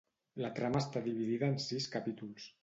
La trama està dividida en sis capítols.